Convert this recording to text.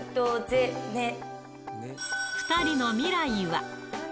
２人の未来は？